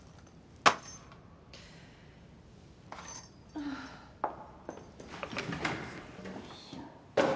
あぁ。よいしょ。